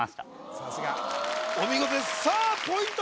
さすがお見事ですポイント